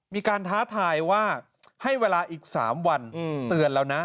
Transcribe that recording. ท้าทายว่าให้เวลาอีก๓วันเตือนแล้วนะ